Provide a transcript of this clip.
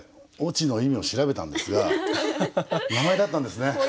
はい「越智」の意味を調べたんですが名前だったんですね。